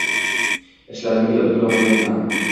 Ishlarimga ulgura olmayapman.